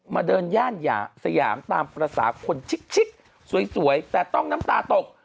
มาเดินย่านสยามตามภาษาคนชิดสวยแต่ต้องน้ำตาตก